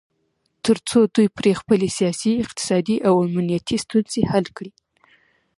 تر څو دوی پرې خپلې سیاسي، اقتصادي او امنیتي ستونځې حل کړي